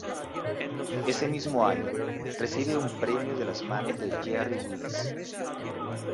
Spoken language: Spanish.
Ese mismo año, recibe un premio de las manos de Jerry Lewis.